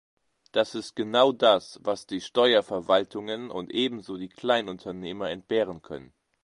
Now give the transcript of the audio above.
Das ist genau das, was die Steuerverwaltungen und ebenso die Kleinunternehmer entbehren können.